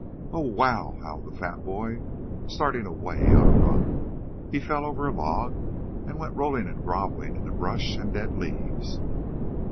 "Oh, wow!" howled the fat boy, starting away on a run. He fell over a log and went rolling and groveling in the brush and dead leaves.